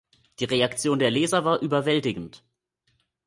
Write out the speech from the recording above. Die Reaktion der Leser war überwältigend.